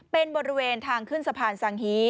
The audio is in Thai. เป็นบริเวณทางขึ้นสะพานสังฮี